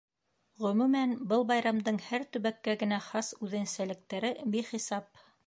Ғөмүмән, был байрамдың һәр төбәккә генә хас үҙенсәлектәре бихисап.